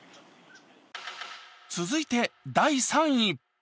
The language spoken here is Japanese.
続いて第３位。